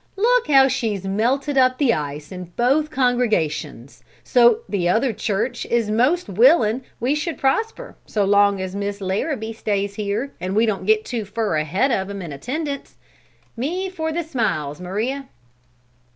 "Look how she's melted up the ice in both congregations, so't the other church is most willin' we should prosper, so long as Mis' Larrabee stays here an' we don't get too fur ahead of 'em in attendance. Me for the smiles, Maria!"